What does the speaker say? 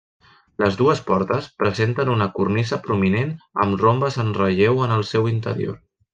Les dues portes presenten una cornisa prominent amb rombes en relleu en el seu interior.